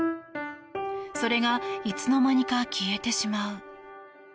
それがいつの間にか消えてしまう。